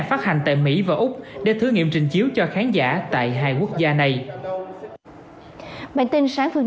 phát hành tại mỹ và úc để thử nghiệm trình chiếu cho khán giả tại hai quốc gia này bản tin sáng phương